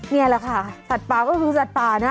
นี่แหละค่ะสัตว์ป่าก็คือสัตว์ป่านะ